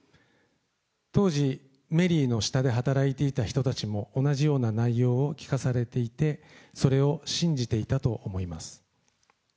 当時、メリーの下で働いていた人たちも同じような内容を聞かされていて、それを信じていたと思います。